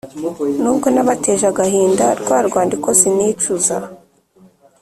Nubwo nabateje agahinda rwa rwandiko sinicuza